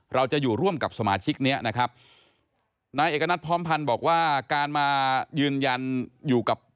เราจะอยู่ร่วมกับสมาชิกเนี้ยนะครับนายเอกณัฐพร้อมพันธ์บอกว่าการมายืนยันอยู่กับ